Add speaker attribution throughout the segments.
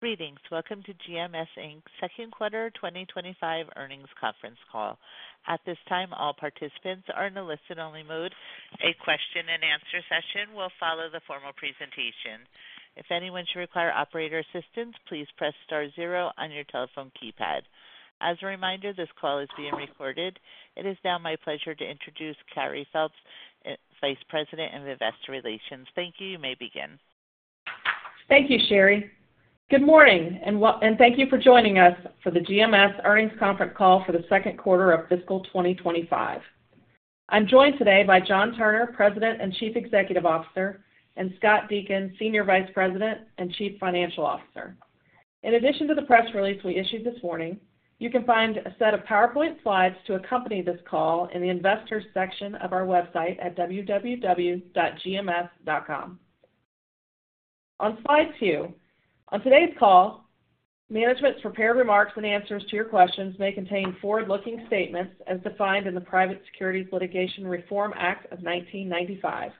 Speaker 1: Greetings. Welcome to GMS Inc.'s Q2 2025 Earnings Conference Call. At this time, all participants are in a listen-only mode. A question-and-answer session will follow the formal presentation. If anyone should require operator assistance, please press star zero on your telephone keypad. As a reminder, this call is being recorded. It is now my pleasure to introduce Carey Phelps, Vice President of Investor Relations. Thank you. You may begin.
Speaker 2: Thank you, Sherry. Good morning, and thank you for joining us for the GMS earnings conference call for the Q2 of fiscal 2025. I'm joined today by John Turner, President and Chief Executive Officer, and Scott Deakin, Senior Vice President and Chief Financial Officer. In addition to the press release we issued this morning, you can find a set of PowerPoint slides to accompany this call in the Investor section of our website at www.gms.com. On slide two, on today's call, management's prepared remarks and answers to your questions may contain forward-looking statements as defined in the Private Securities Litigation Reform Act of 1995.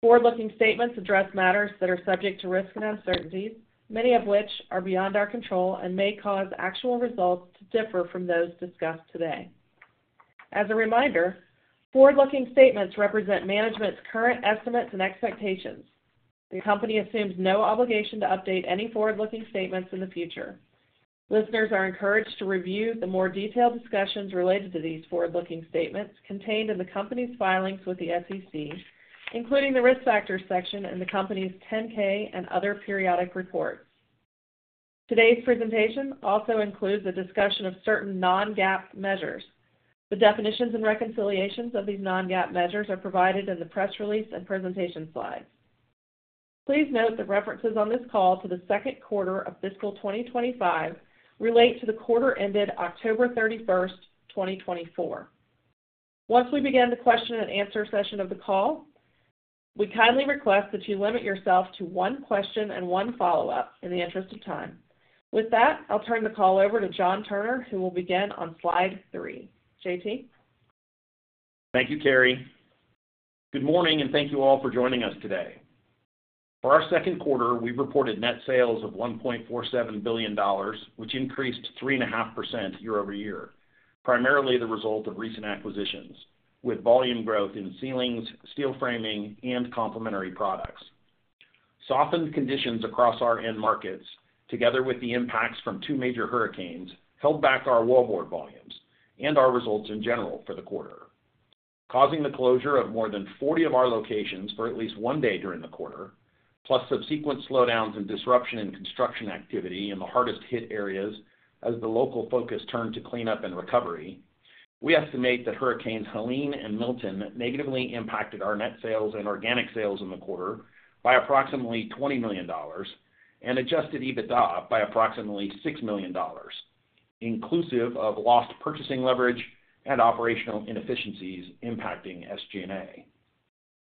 Speaker 2: Forward-looking statements address matters that are subject to risk and uncertainties, many of which are beyond our control and may cause actual results to differ from those discussed today. As a reminder, forward-looking statements represent management's current estimates and expectations. The company assumes no obligation to update any forward-looking statements in the future. Listeners are encouraged to review the more detailed discussions related to these forward-looking statements contained in the company's filings with the SEC, including the risk factors section in the company's 10-K and other periodic reports. Today's presentation also includes a discussion of certain non-GAAP measures. The definitions and reconciliations of these non-GAAP measures are provided in the press release and presentation slides. Please note the references on this call to the Q2 of fiscal 2025 relate to the quarter ended October 31st, 2024. Once we begin the question-and-answer session of the call, we kindly request that you limit yourself to one question and one follow-up in the interest of time. With that, I'll turn the call over to John Turner, who will begin on slide three. JT?
Speaker 3: Thank you, Carey. Good morning, and thank you all for joining us today. For our Q2, we reported net sales of $1.47 billion, which increased 3.5% year-over-year, primarily the result of recent acquisitions with volume growth in ceilings, steel framing, and complementary products. Softened conditions across our end markets, together with the impacts from two major hurricanes, held back our wallboard volumes and our results in general for the quarter, causing the closure of more than 40 of our locations for at least one day during the quarter, plus subsequent slowdowns and disruption in construction activity in the hardest-hit areas as the local focus turned to cleanup and recovery. We estimate that Hurricanes Helene and Milton negatively impacted our net sales and organic sales in the quarter by approximately $20 million and adjusted EBITDA by approximately $6 million, inclusive of lost purchasing leverage and operational inefficiencies impacting SG&A.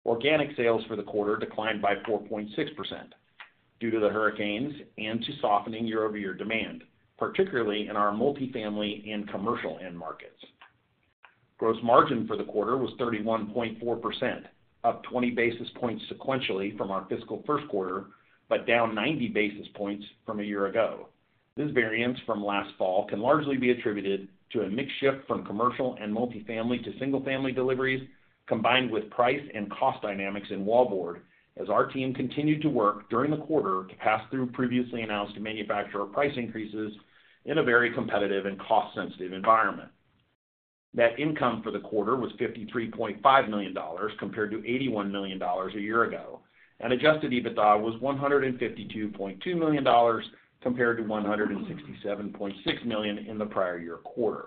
Speaker 3: Organic sales for the quarter declined by 4.6% due to the hurricanes and to softening year-over-year demand, particularly in our multifamily and commercial end markets. Gross margin for the quarter was 31.4%, up 20 basis points sequentially from our fiscal Q1, but down 90 basis points from a year ago. This variance from last fall can largely be attributed to a mixed shift from commercial and multifamily to single-family deliveries, combined with price and cost dynamics in wallboard as our team continued to work during the quarter to pass through previously announced manufacturer price increases in a very competitive and cost-sensitive environment. Net income for the quarter was $53.5 million compared to $81 million a year ago, and adjusted EBITDA was $152.2 million compared to $167.6 million in the prior year quarter.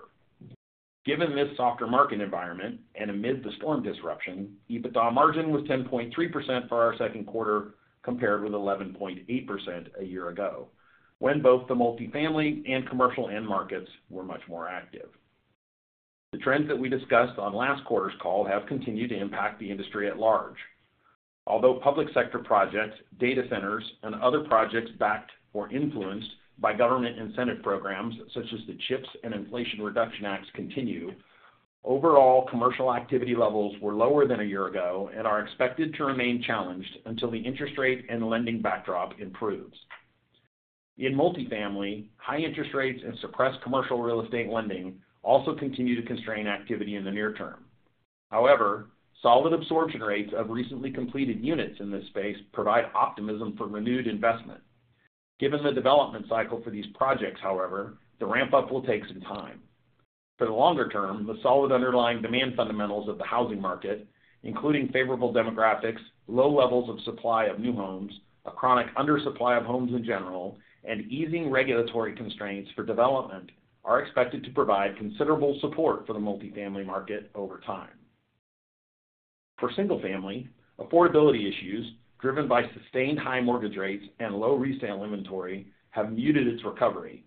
Speaker 3: Given this softer market environment and amid the storm disruption, EBITDA margin was 10.3% for our Q2 compared with 11.8% a year ago when both the multifamily and commercial end markets were much more active. The trends that we discussed on last quarter's call have continued to impact the industry at large. Although public sector projects, data centers, and other projects backed or influenced by government incentive programs such as the CHIPS and Inflation Reduction Act continue, overall commercial activity levels were lower than a year ago and are expected to remain challenged until the interest rate and lending backdrop improves. In multifamily, high interest rates and suppressed commercial real estate lending also continue to constrain activity in the near term. However, solid absorption rates of recently completed units in this space provide optimism for renewed investment. Given the development cycle for these projects, however, the ramp-up will take some time. For the longer term, the solid underlying demand fundamentals of the housing market, including favorable demographics, low levels of supply of new homes, a chronic undersupply of homes in general, and easing regulatory constraints for development are expected to provide considerable support for the multifamily market over time. For single-family, affordability issues driven by sustained high mortgage rates and low resale inventory have muted its recovery.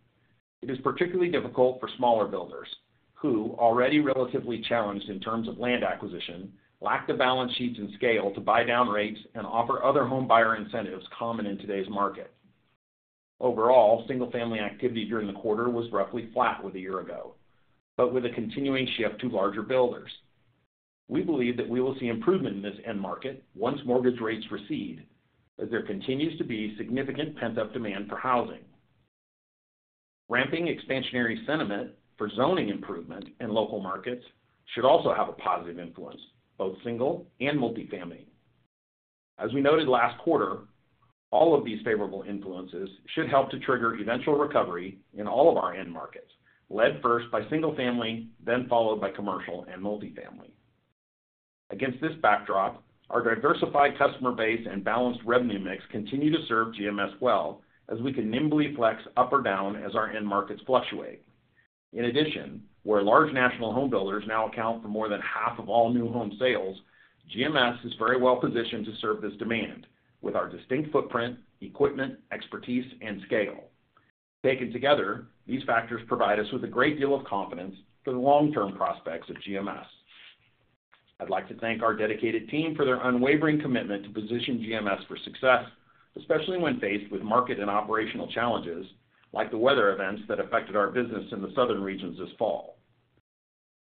Speaker 3: It is particularly difficult for smaller builders who, already relatively challenged in terms of land acquisition, lack the balance sheets and scale to buy down rates and offer other home buyer incentives common in today's market. Overall, single-family activity during the quarter was roughly flat with a year ago, but with a continuing shift to larger builders. We believe that we will see improvement in this end market once mortgage rates recede as there continues to be significant pent-up demand for housing. Ramping expansionary sentiment for zoning improvement in local markets should also have a positive influence, both single and multifamily. As we noted last quarter, all of these favorable influences should help to trigger eventual recovery in all of our end markets, led first by single-family, then followed by commercial and multifamily. Against this backdrop, our diversified customer base and balanced revenue mix continue to serve GMS well as we can nimbly flex up or down as our end markets fluctuate. In addition, where large national home builders now account for more than half of all new home sales, GMS is very well positioned to serve this demand with our distinct footprint, equipment, expertise, and scale. Taken together, these factors provide us with a great deal of confidence for the long-term prospects of GMS. I'd like to thank our dedicated team for their unwavering commitment to position GMS for success, especially when faced with market and operational challenges like the weather events that affected our business in the southern regions this fall.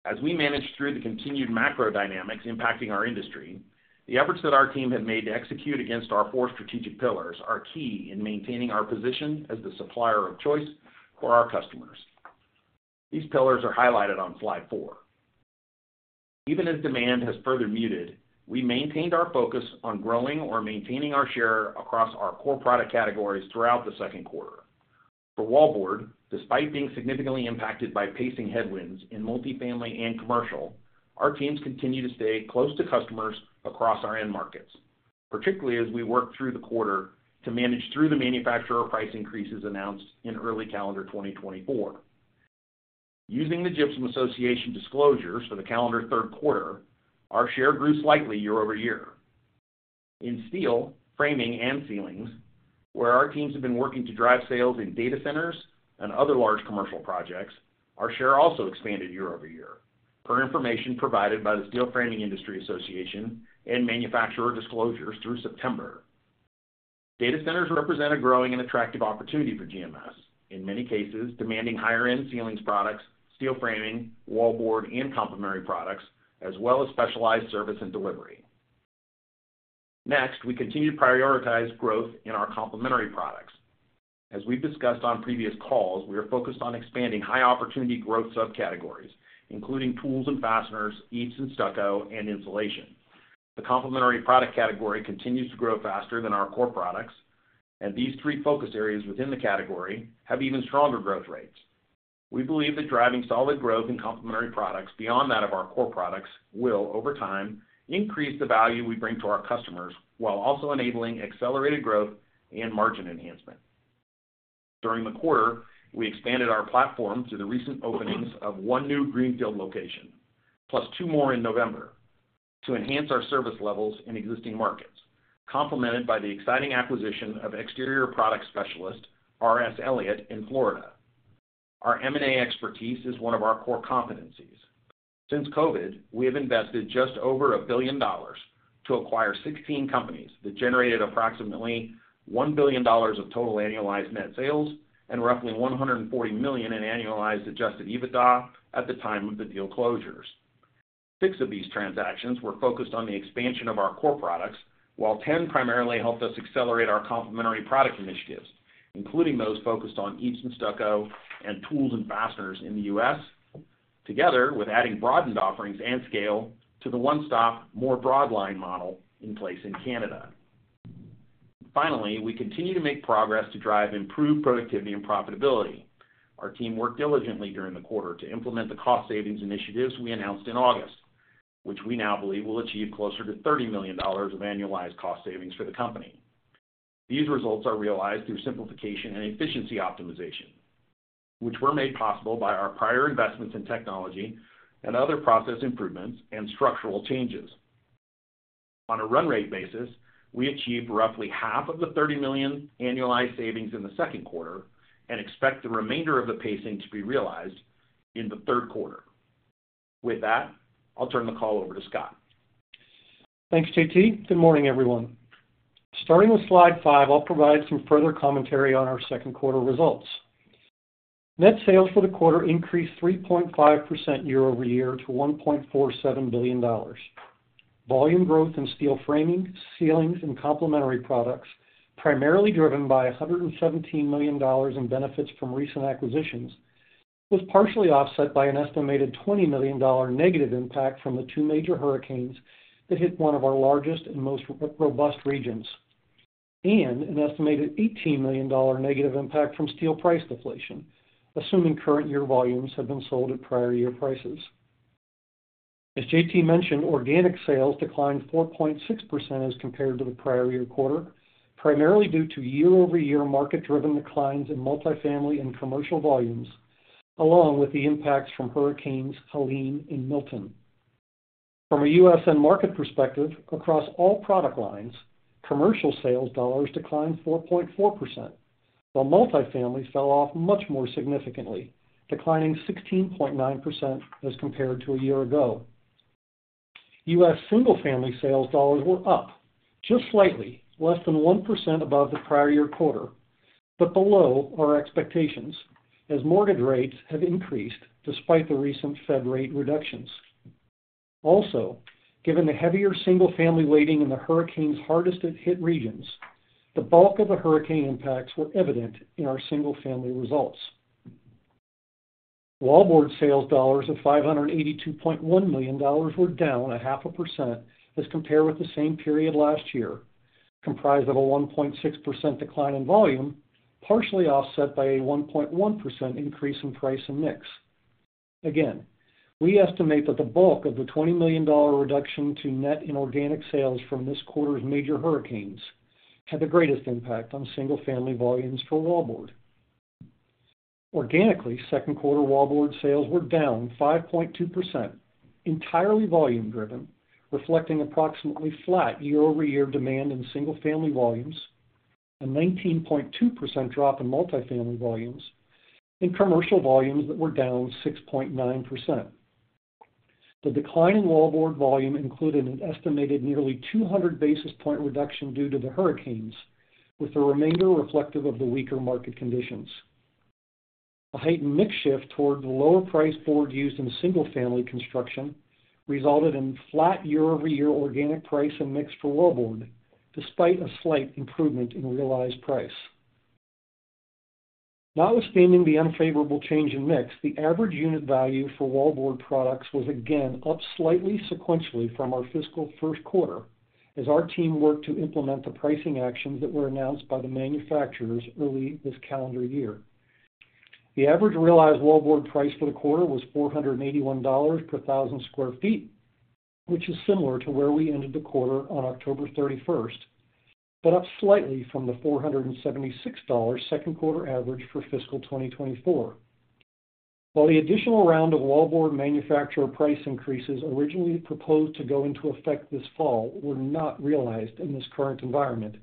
Speaker 3: As we manage through the continued macro dynamics impacting our industry, the efforts that our team had made to execute against our four strategic pillars are key in maintaining our position as the supplier of choice for our customers. These pillars are highlighted on slide four. Even as demand has further muted, we maintained our focus on growing or maintaining our share across our core product categories throughout the Q2. For wallboard, despite being significantly impacted by pacing headwinds in multifamily and commercial, our teams continue to stay close to customers across our end markets, particularly as we work through the quarter to manage through the manufacturer price increases announced in early calendar 2024. Using the Gypsum Association disclosures for the calendar Q3, our share grew slightly year-over-year. In steel, framing, and ceilings, where our teams have been working to drive sales in data centers and other large commercial projects, our share also expanded year-over-year, per information provided by the Steel Framing Industry Association and manufacturer disclosures through September. Data centers represent a growing and attractive opportunity for GMS, in many cases demanding higher-end ceilings products, steel framing, wallboard, and complementary products, as well as specialized service and delivery. Next, we continue to prioritize growth in our complementary products. As we've discussed on previous calls, we are focused on expanding high opportunity growth subcategories, including tools and fasteners, EIFS and stucco, and insulation. The complementary product category continues to grow faster than our core products, and these three focus areas within the category have even stronger growth rates. We believe that driving solid growth in complementary products beyond that of our core products will, over time, increase the value we bring to our customers while also enabling accelerated growth and margin enhancement. During the quarter, we expanded our platform through the recent openings of one new Greenfield location, plus two more in November, to enhance our service levels in existing markets, complemented by the exciting acquisition of exterior product specialist R.S. Elliott in Florida. Our M&A expertise is one of our core competencies. Since COVID, we have invested just over $1 billion to acquire 16 companies that generated approximately $1 billion of total annualized net sales and roughly $140 million in annualized adjusted EBITDA at the time of the deal closures. Six of these transactions were focused on the expansion of our core products, while 10 primarily helped us accelerate our complementary product initiatives, including those focused on eaves and stucco and tools and fasteners in the U.S., together with adding broadened offerings and scale to the one-stop, more broad line model in place in Canada. Finally, we continue to make progress to drive improved productivity and profitability. Our team worked diligently during the quarter to implement the cost savings initiatives we announced in August, which we now believe will achieve closer to $30 million of annualized cost savings for the company. These results are realized through simplification and efficiency optimization, which were made possible by our prior investments in technology and other process improvements and structural changes. On a run rate basis, we achieved roughly half of the $30 million annualized savings in the Q2 and expect the remainder of the pacing to be realized in the Q3. With that, I'll turn the call over to Scott.
Speaker 4: Thanks, JT. Good morning, everyone. Starting with slide five, I'll provide some further commentary on our Q2 results. Net sales for the quarter increased 3.5% year-over-year to $1.47 billion. Volume growth in steel framing, ceilings, and complementary products, primarily driven by $117 million in benefits from recent acquisitions, was partially offset by an estimated $20 million negative impact from the two major hurricanes that hit one of our largest and most robust regions, and an estimated $18 million negative impact from steel price deflation, assuming current year volumes have been sold at prior year prices. As JT mentioned, organic sales declined 4.6% as compared to the prior year quarter, primarily due to year-over-year market-driven declines in multifamily and commercial volumes, along with the impacts from hurricanes Helene and Milton. From a U.S. end market perspective, across all product lines, commercial sales dollars declined 4.4%, while multifamily fell off much more significantly, declining 16.9% as compared to a year ago. U.S. single-family sales dollars were up just slightly, less than 1% above the prior year quarter, but below our expectations as mortgage rates have increased despite the recent Fed rate reductions. Also, given the heavier single-family weighting in the hurricane's hardest-hit regions, the bulk of the hurricane impacts were evident in our single-family results. Wallboard sales dollars of $582.1 million were down 0.5% as compared with the same period last year, comprised of a 1.6% decline in volume, partially offset by a 1.1% increase in price and mix. Again, we estimate that the bulk of the $20 million reduction to net in organic sales from this quarter's major hurricanes had the greatest impact on single-family volumes for wallboard. Organically, Q2 wallboard sales were down 5.2%, entirely volume-driven, reflecting approximately flat year-over-year demand in single-family volumes, a 19.2% drop in multifamily volumes, and commercial volumes that were down 6.9%. The decline in wallboard volume included an estimated nearly 200 basis point reduction due to the hurricanes, with the remainder reflective of the weaker market conditions. A heightened mix shift toward the lower price board used in single-family construction resulted in flat year-over-year organic price and mix for wallboard, despite a slight improvement in realized price. Notwithstanding the unfavorable change in mix, the average unit value for wallboard products was again up slightly sequentially from our fiscal Q1 as our team worked to implement the pricing actions that were announced by the manufacturers early this calendar year. The average realized wallboard price for the quarter was $481 per 1,000 sq ft, which is similar to where we ended the quarter on October 31st, but up slightly from the $476 Q2 average for fiscal 2024. While the additional round of wallboard manufacturer price increases originally proposed to go into effect this fall were not realized in this current environment,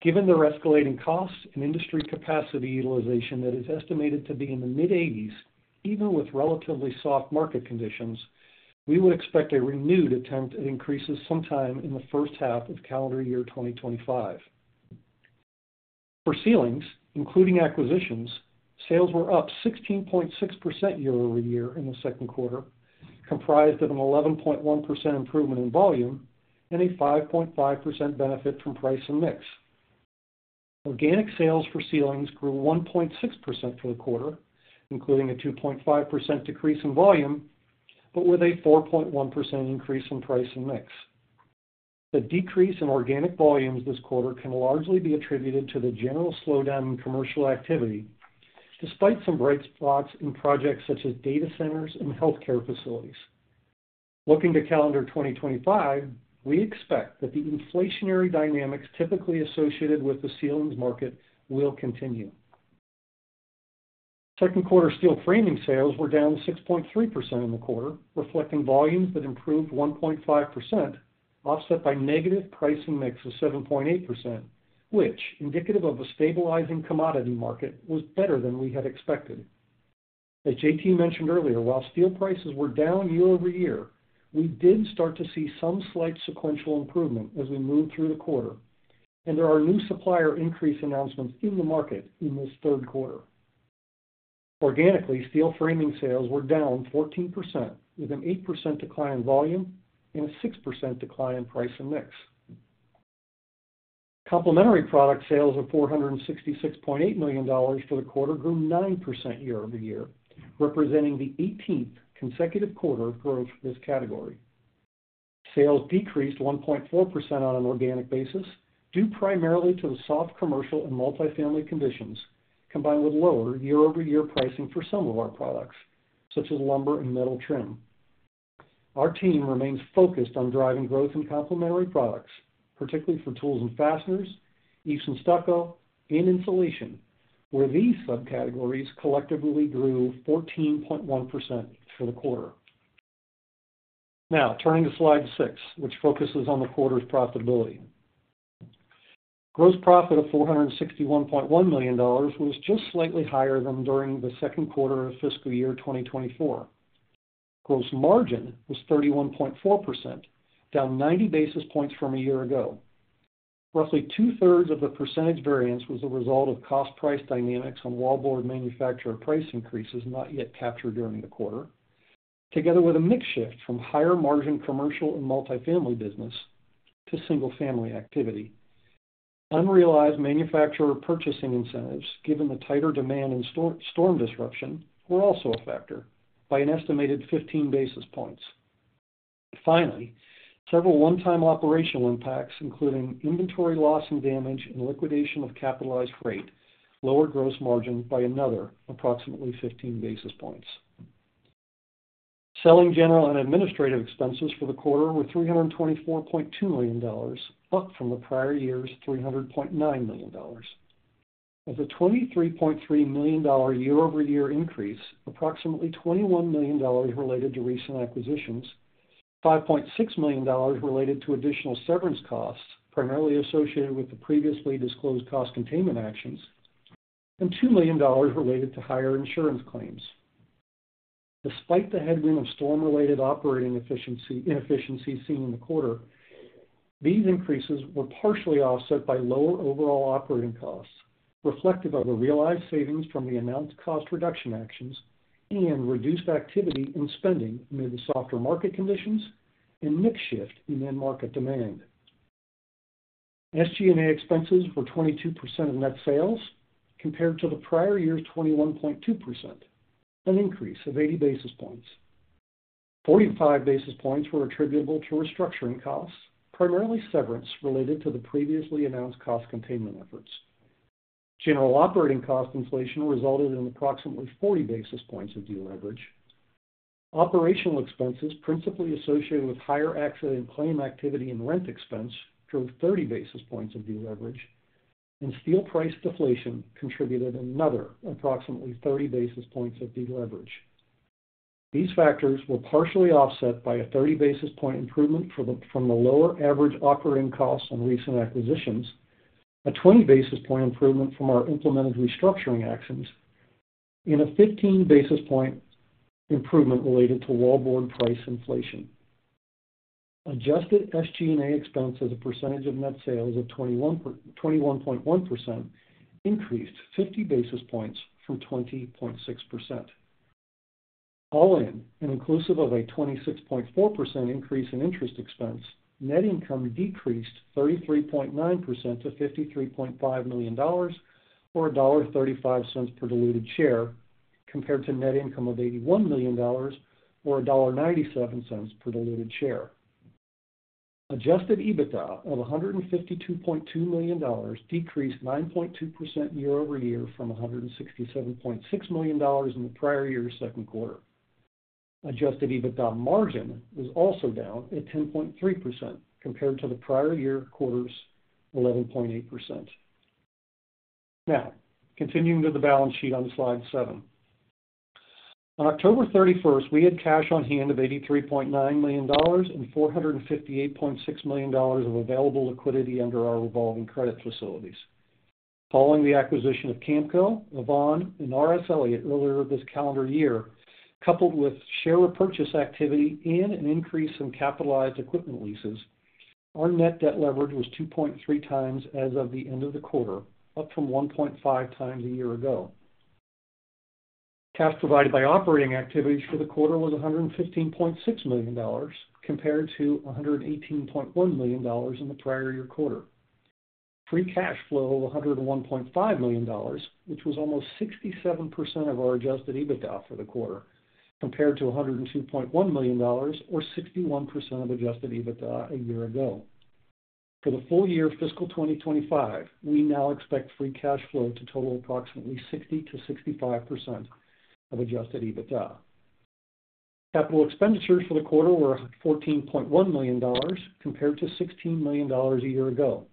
Speaker 4: given their escalating costs and industry capacity utilization that is estimated to be in the mid-80s, even with relatively soft market conditions, we would expect a renewed attempt at increases sometime in the first half of calendar year 2025. For ceilings, including acquisitions, sales were up 16.6% year-over-year in the Q2, comprised of an 11.1% improvement in volume and a 5.5% benefit from price and mix. Organic sales for ceilings grew 1.6% for the quarter, including a 2.5% decrease in volume, but with a 4.1% increase in price and mix. The decrease in organic volumes this quarter can largely be attributed to the general slowdown in commercial activity, despite some bright spots in projects such as data centers and healthcare facilities. Looking to calendar 2025, we expect that the inflationary dynamics typically associated with the ceilings market will continue. Q2 steel framing sales were down 6.3% in the quarter, reflecting volumes that improved 1.5%, offset by negative pricing mix of 7.8%, which, indicative of a stabilizing commodity market, was better than we had expected. As JT mentioned earlier, while steel prices were down year-over-year, we did start to see some slight sequential improvement as we moved through the quarter, and there are new supplier increase announcements in the market in this Q3. Organically, steel framing sales were down 14%, with an 8% decline in volume and a 6% decline in price and mix. Complementary product sales of $466.8 million for the quarter grew 9% year-over-year, representing the 18th consecutive quarter of growth for this category. Sales decreased 1.4% on an organic basis due primarily to the soft commercial and multifamily conditions, combined with lower year-over-year pricing for some of our products, such as lumber and metal trim. Our team remains focused on driving growth in complementary products, particularly for tools and fasteners, eaves and stucco, and insulation, where these subcategories collectively grew 14.1% for the quarter. Now, turning to slide six, which focuses on the quarter's profitability. Gross profit of $461.1 million was just slightly higher than during the Q2 of fiscal year 2024. Gross margin was 31.4%, down 90 basis points from a year ago. Roughly two-thirds of the percentage variance was the result of cost-price dynamics on wallboard manufacturer price increases not yet captured during the quarter, together with a mix shift from higher margin commercial and multifamily business to single-family activity. Unrealized manufacturer purchasing incentives, given the tighter demand and storm disruption, were also a factor, by an estimated 15 basis points. Finally, several one-time operational impacts, including inventory loss and damage and liquidation of capitalized freight, lowered gross margin by another approximately 15 basis points. Selling, General, and Administrative expenses for the quarter were $324.2 million, up from the prior year's $300.9 million. As a $23.3 million year-over-year increase, approximately $21 million related to recent acquisitions, $5.6 million related to additional severance costs primarily associated with the previously disclosed cost containment actions, and $2 million related to higher insurance claims. Despite the headwind of storm-related operating inefficiency seen in the quarter, these increases were partially offset by lower overall operating costs, reflective of the realized savings from the announced cost reduction actions and reduced activity and spending amid the softer market conditions and mix shift in end market demand. SG&A expenses were 22% of net sales, compared to the prior year's 21.2%, an increase of 80 basis points. 45 basis points were attributable to restructuring costs, primarily severance related to the previously announced cost containment efforts. General operating cost inflation resulted in approximately 40 basis points of de-leverage. Operational expenses principally associated with higher accident claim activity and rent expense drove 30 basis points of de-leverage, and steel price deflation contributed another approximately 30 basis points of de-leverage. These factors were partially offset by a 30 basis point improvement from the lower average operating costs on recent acquisitions, a 20 basis point improvement from our implemented restructuring actions, and a 15 basis point improvement related to wallboard price inflation. Adjusted SG&A expenses as a percentage of net sales of 21.1% increased 50 basis points from 20.6%. All in all, inclusive of a 26.4% increase in interest expense, net income decreased 33.9% to $53.5 million or $1.35 per diluted share, compared to net income of $81 million or $1.97 per diluted share. Adjusted EBITDA of $152.2 million decreased 9.2% year-over-year from $167.6 million in the prior year's Q2. Adjusted EBITDA margin was also down at 10.3% compared to the prior year quarter's 11.8%. Now, continuing to the balance sheet on slide seven. On October 31st, we had cash on hand of $83.9 million and $458.6 million of available liquidity under our revolving credit facilities. Following the acquisition of Kamco, Yvon, and R.S. Elliott earlier this calendar year, coupled with share repurchase activity and an increase in capitalized equipment leases, our net debt leverage was 2.3 times as of the end of the quarter, up from 1.5 times a year ago. Cash provided by operating activities for the quarter was $115.6 million, compared to $118.1 million in the prior year quarter. Free cash flow of $101.5 million, which was almost 67% of our adjusted EBITDA for the quarter, compared to $102.1 million or 61% of adjusted EBITDA a year ago. For the full year fiscal 2025, we now expect free cash flow to total approximately 60%-65% of adjusted EBITDA. Capital expenditures for the quarter were $14.1 million, compared to $16 million a year ago.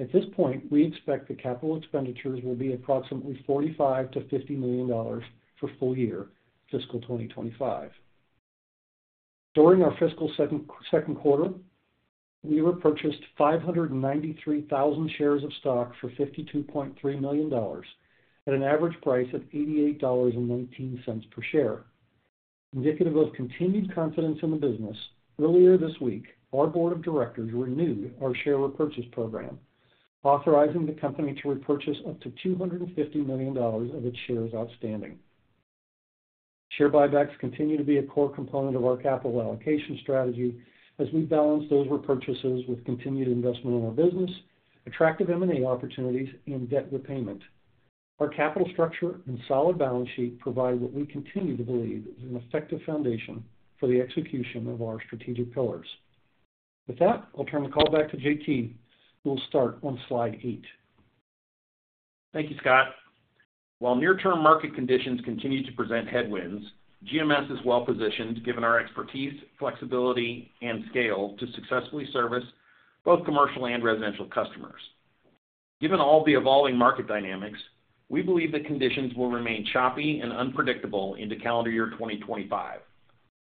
Speaker 4: At this point, we expect the capital expenditures will be approximately $45 million-$50 million for full year fiscal 2025. During our fiscal Q2, we repurchased 593,000 shares of stock for $52.3 million at an average price of $88.19 per share. Indicative of continued confidence in the business, earlier this week, our board of directors renewed our share repurchase program, authorizing the company to repurchase up to $250 million of its shares outstanding. Share buybacks continue to be a core component of our capital allocation strategy as we balance those repurchases with continued investment in our business, attractive M&A opportunities, and debt repayment. Our capital structure and solid balance sheet provide what we continue to believe is an effective foundation for the execution of our strategic pillars. With that, I'll turn the call back to JT, who will start on slide eight.
Speaker 3: Thank you, Scott. While near-term market conditions continue to present headwinds, GMS is well-positioned, given our expertise, flexibility, and scale, to successfully service both commercial and residential customers. Given all the evolving market dynamics, we believe the conditions will remain choppy and unpredictable into calendar year 2025.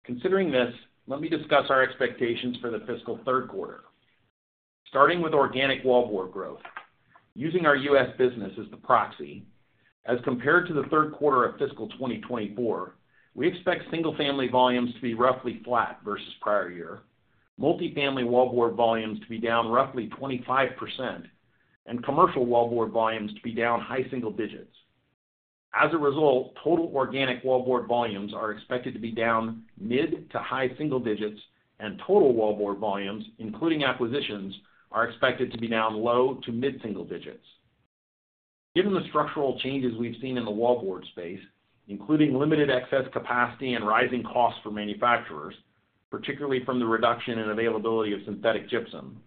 Speaker 3: Considering this, let me discuss our expectations for the fiscal Q3. Starting with organic wallboard growth, using our U.S. business as the proxy, as compared to the Q3 of fiscal 2024, we expect single-family volumes to be roughly flat versus prior year, multifamily wallboard volumes to be down roughly 25%, and commercial wallboard volumes to be down high single digits. As a result, total organic wallboard volumes are expected to be down mid to high single digits, and total wallboard volumes, including acquisitions, are expected to be down low to mid single digits. Given the structural changes we've seen in the wallboard space, including limited excess capacity and rising costs for manufacturers, particularly from the reduction in availability of synthetic gypsum,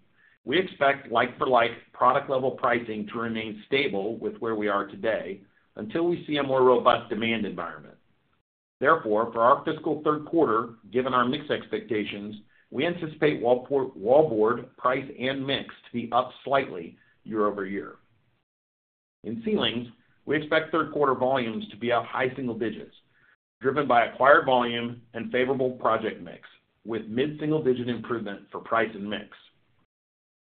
Speaker 3: we expect like-for-like product-level pricing to remain stable with where we are today until we see a more robust demand environment. Therefore, for our fiscal Q3, given our mix expectations, we anticipate wallboard price and mix to be up slightly year-over-year. In ceilings, we expect Q3 volumes to be up high single digits, driven by acquired volume and favorable project mix, with mid single digit improvement for price and mix.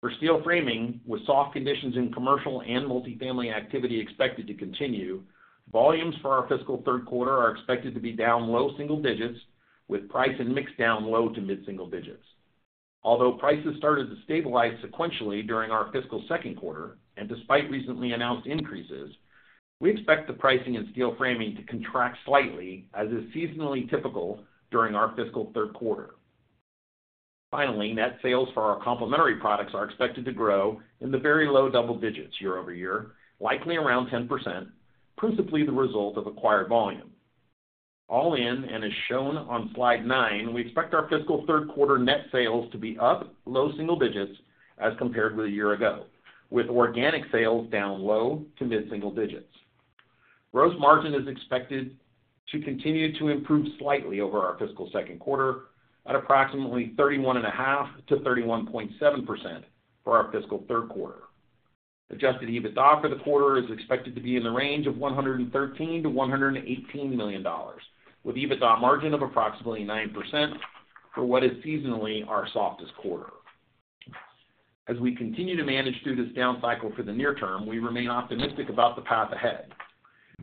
Speaker 3: For steel framing, with soft conditions in commercial and multifamily activity expected to continue, volumes for our fiscal Q3 are expected to be down low single digits, with price and mix down low to mid single digits. Although prices started to stabilize sequentially during our fiscal Q2, and despite recently announced increases, we expect the pricing in steel framing to contract slightly, as is seasonally typical during our fiscal Q3. Finally, net sales for our complementary products are expected to grow in the very low double digits year-over-year, likely around 10%, principally the result of acquired volume. All in, and as shown on slide nine, we expect our fiscal Q3 net sales to be up low single digits as compared with a year ago, with organic sales down low to mid single digits. Gross margin is expected to continue to improve slightly over our fiscal Q2 at approximately 31.5%-31.7% for our fiscal Q3. Adjusted EBITDA for the quarter is expected to be in the range of $113 million-$118 million, with EBITDA margin of approximately 9% for what is seasonally our softest quarter. As we continue to manage through this down cycle for the near term, we remain optimistic about the path ahead.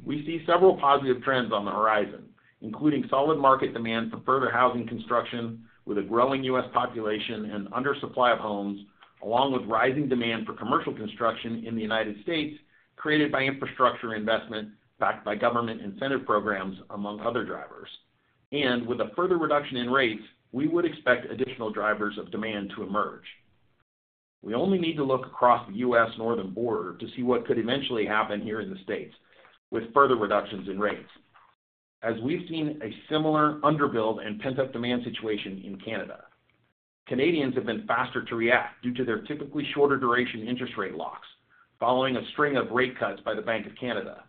Speaker 3: We see several positive trends on the horizon, including solid market demand for further housing construction with a growing U.S. population and undersupply of homes, along with rising demand for commercial construction in the United States created by infrastructure investment backed by government incentive programs, among other drivers, and with a further reduction in rates, we would expect additional drivers of demand to emerge. We only need to look across the U.S. Northern border to see what could eventually happen here in the States with further reductions in rates, as we've seen a similar underbuilt and pent-up demand situation in Canada. Canadians have been faster to react due to their typically shorter duration interest rate locks, following a string of rate cuts by the Bank of Canada.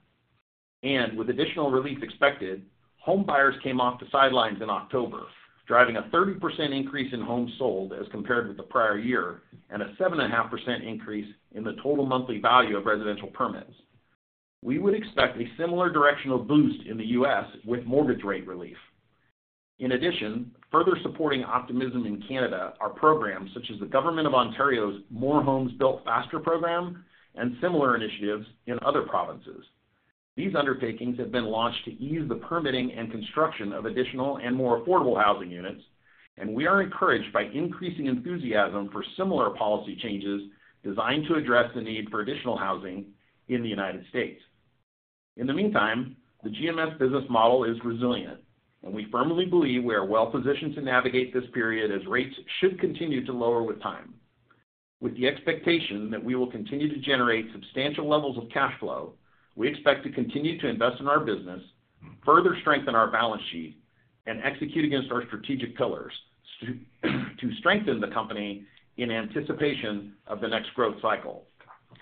Speaker 3: With additional relief expected, homebuyers came off the sidelines in October, driving a 30% increase in homes sold as compared with the prior year and a 7.5% increase in the total monthly value of residential permits. We would expect a similar directional boost in the U.S. with mortgage rate relief. In addition, further supporting optimism in Canada are programs such as the Government of Ontario's More Homes Built Faster program and similar initiatives in other provinces. These undertakings have been launched to ease the permitting and construction of additional and more affordable housing units, and we are encouraged by increasing enthusiasm for similar policy changes designed to address the need for additional housing in the United States. In the meantime, the GMS business model is resilient, and we firmly believe we are well-positioned to navigate this period as rates should continue to lower with time. With the expectation that we will continue to generate substantial levels of cash flow, we expect to continue to invest in our business, further strengthen our balance sheet, and execute against our strategic pillars to strengthen the company in anticipation of the next growth cycle.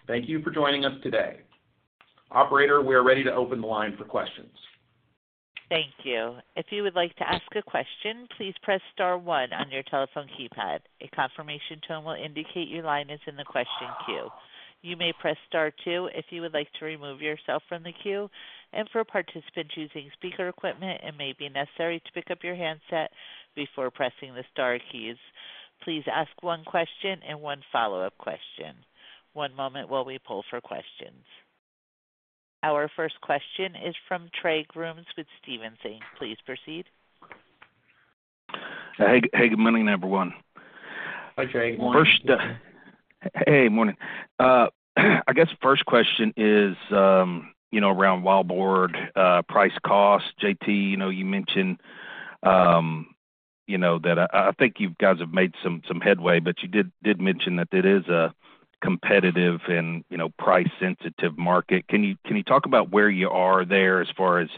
Speaker 3: Thank you for joining us today. Operator, we are ready to open the line for questions.
Speaker 1: Thank you. If you would like to ask a question, please press star one on your telephone keypad. A confirmation tone will indicate your line is in the question queue. You may press star two if you would like to remove yourself from the queue. For participants using speaker equipment, it may be necessary to pick up your handset before pressing the star keys. Please ask one question and one follow-up question. One moment while we pull for questions. Our first question is from Trey Grooms with Stephens. Please proceed.
Speaker 5: Hey, good morning, everyone.
Speaker 3: Hi, Trey.
Speaker 4: Good morning.
Speaker 5: Hey, morning. I guess first question is around wallboard price cost. JT, you mentioned that I think you guys have made some headway, but you did mention that it is a competitive and price-sensitive market. Can you talk about where you are there as far as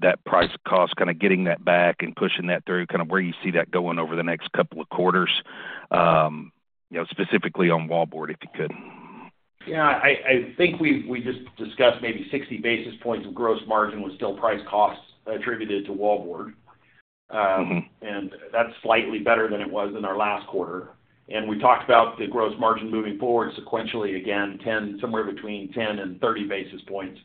Speaker 5: that price cost, kind of getting that back and pushing that through, kind of where you see that going over the next couple of quarters, specifically on wallboard, if you could?
Speaker 3: Yeah. I think we just discussed maybe 60 basis points of gross margin was still price costs attributed to wallboard. And that's slightly better than it was in our last quarter. And we talked about the gross margin moving forward sequentially, again, somewhere between 10 and 30 basis points.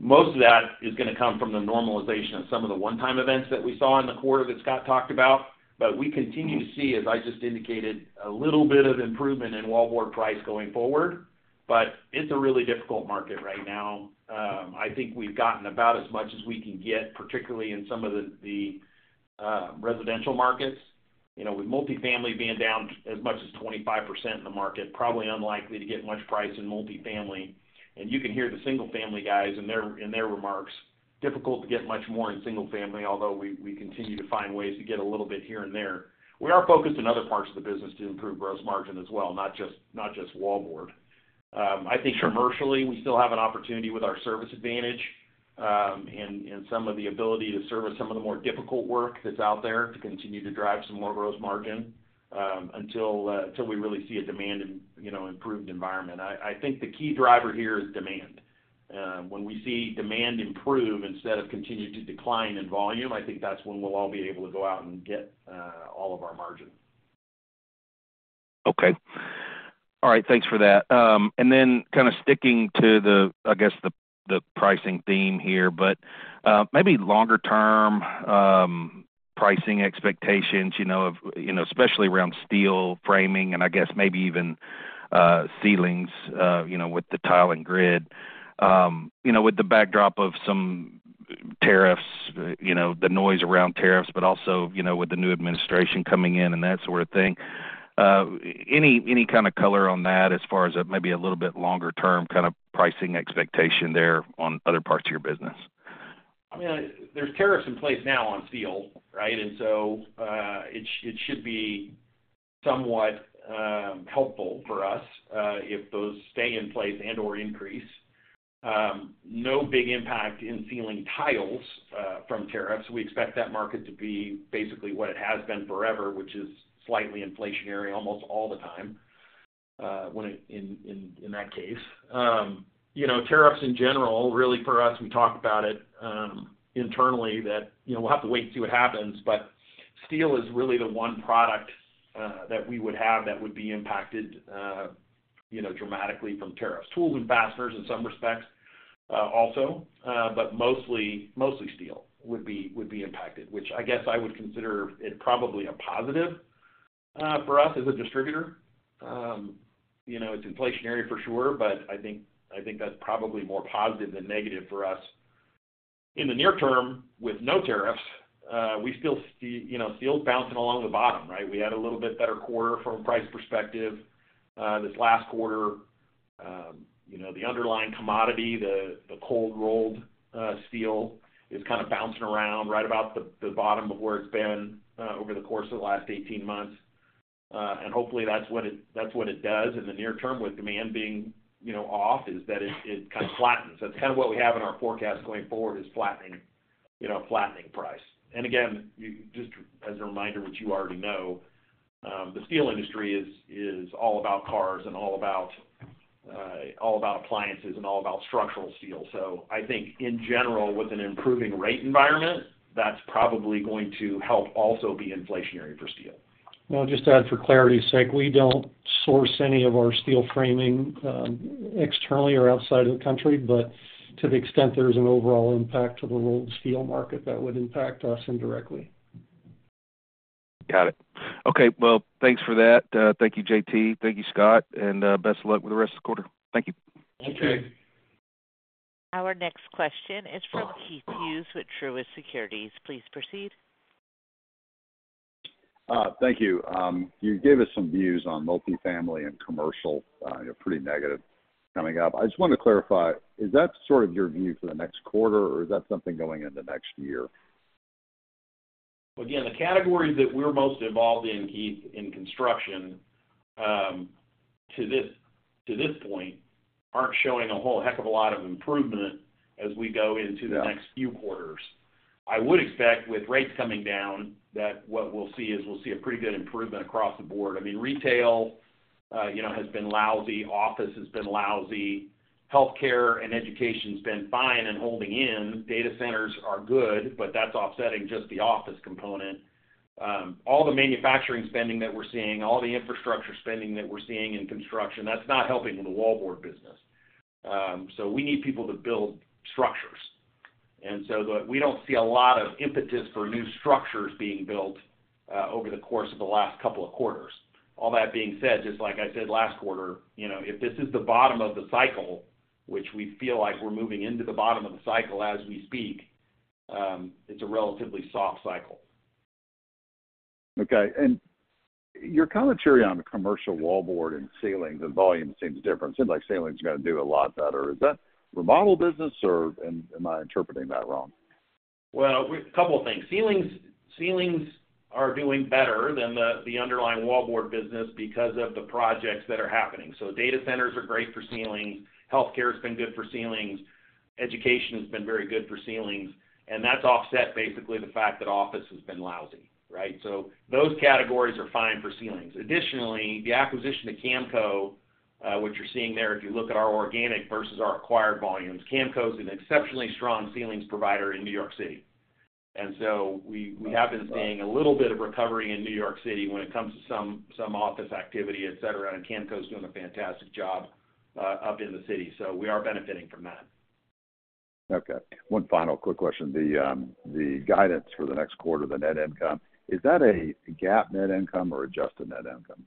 Speaker 3: Most of that is going to come from the normalization of some of the one-time events that we saw in the quarter that Scott talked about. But we continue to see, as I just indicated, a little bit of improvement in wallboard price going forward. But it's a really difficult market right now. I think we've gotten about as much as we can get, particularly in some of the residential markets, with multifamily being down as much as 25% in the market, probably unlikely to get much pricing in multifamily. And you can hear the single-family guys in their remarks, difficult to get much more in single-family, although we continue to find ways to get a little bit here and there. We are focused in other parts of the business to improve gross margin as well, not just wallboard. I think commercially, we still have an opportunity with our service advantage and some of the ability to service some of the more difficult work that's out there to continue to drive some more gross margin until we really see a demand in an improved environment. I think the key driver here is demand. When we see demand improve instead of continue to decline in volume, I think that's when we'll all be able to go out and get all of our margin.
Speaker 5: Okay. All right. Thanks for that. And then kind of sticking to, I guess, the pricing theme here, but maybe longer-term pricing expectations, especially around steel framing and I guess maybe even ceilings with the tile and grid, with the backdrop of some tariffs, the noise around tariffs, but also with the new administration coming in and that sort of thing. Any kind of color on that as far as maybe a little bit longer-term kind of pricing expectation there on other parts of your business?
Speaker 3: I mean, there's tariffs in place now on steel, right? And so it should be somewhat helpful for us if those stay in place and/or increase. No big impact in ceiling tiles from tariffs. We expect that market to be basically what it has been forever, which is slightly inflationary almost all the time in that case. Tariffs in general, really for us, we talked about it internally that we'll have to wait and see what happens. But steel is really the one product that we would have that would be impacted dramatically from tariffs. Tools and fasteners in some respects also, but mostly steel would be impacted, which I guess I would consider it probably a positive for us as a distributor. It's inflationary for sure, but I think that's probably more positive than negative for us. In the near term, with no tariffs, we still see steel bouncing along the bottom, right? We had a little bit better quarter from a price perspective this last quarter. The underlying commodity, the cold-rolled steel, is kind of bouncing around right about the bottom of where it's been over the course of the last 18 months. And hopefully, that's what it does in the near term with demand being off is that it kind of flattens. That's kind of what we have in our forecast going forward is flattening price. And again, just as a reminder, which you already know, the steel industry is all about cars and all about appliances and all about structural steel. So I think in general, with an improving rate environment, that's probably going to help also be inflationary for steel.
Speaker 4: Well, just to add for clarity's sake, we don't source any of our steel framing externally or outside of the country, but to the extent there's an overall impact of the role of the steel market, that would impact us indirectly.
Speaker 5: Got it. Okay. Well, thanks for that. Thank you, JT. Thank you, Scott, and best of luck with the rest of the quarter. Thank you.
Speaker 4: Thank you.
Speaker 1: Our next question is from Keith Hughes with Truist Securities. Please proceed.
Speaker 6: Thank you. You gave us some views on multifamily and commercial, pretty negative coming up. I just want to clarify, is that sort of your view for the next quarter, or is that something going into next year?
Speaker 3: Well, again, the categories that we're most involved in, Keith, in construction to this point aren't showing a whole heck of a lot of improvement as we go into the next few quarters. I would expect with rates coming down that what we'll see is we'll see a pretty good improvement across the board. I mean, retail has been lousy. Office has been lousy. Healthcare and education has been fine and holding in. Data centers are good, but that's offsetting just the office component. All the manufacturing spending that we're seeing, all the infrastructure spending that we're seeing in construction, that's not helping with the wallboard business. So we need people to build structures, and so we don't see a lot of impetus for new structures being built over the course of the last couple of quarters. All that being said, just like I said last quarter, if this is the bottom of the cycle, which we feel like we're moving into the bottom of the cycle as we speak, it's a relatively soft cycle.
Speaker 6: Okay, and your commentary on commercial wallboard and ceilings and volume seems different. It seems like ceilings are going to do a lot better. Is that remodel business, or am I interpreting that wrong?
Speaker 3: Well, a couple of things. Ceilings are doing better than the underlying wallboard business because of the projects that are happening. So data centers are great for ceilings. Healthcare has been good for ceilings. Education has been very good for ceilings, and that's offset basically the fact that office has been lousy, right? So those categories are fine for ceilings. Additionally, the acquisition of Kamco, what you're seeing there, if you look at our organic versus our acquired volumes, Kamco is an exceptionally strong ceilings provider in New York City, and so we have been seeing a little bit of recovery in New York City when it comes to some office activity, etc., and Kamco is doing a fantastic job up in the city. So we are benefiting from that.
Speaker 6: Okay. One final quick question. The guidance for the next quarter, the net income, is that a GAAP net income or adjusted net income?